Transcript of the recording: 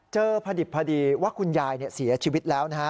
เจอพระดิบพระดีว่าคุณยายเสียชีวิตแล้ว